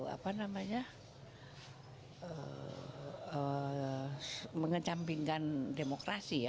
apa namanya mengecampingkan demokrasi ya